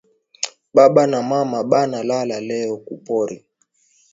Baba na mama bana lala leo ku pori